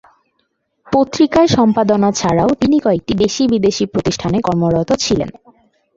পত্রিকায় সম্পাদনা ছাড়াও তিনি কয়েকটি দেশি-বিদেশি প্রতিষ্ঠানে কর্মরত ছিলেন।